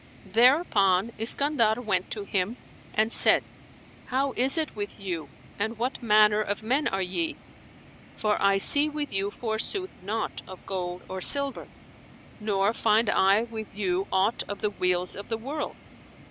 Thereupon Iskandar went to him and said, "How is it with you and what manner of men are ye?; for I see with you forsooth naught of gold or silver, nor find I with you aught of the weals of the world."